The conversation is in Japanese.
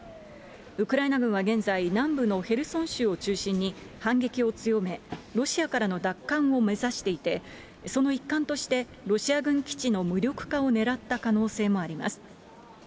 ウクライナ軍は現在、南部のヘルソン州を中心に、反撃を強め、ロシアからの奪還を目指していて、その一環として、ロシア軍基地の無力化をねらった可能性もあります。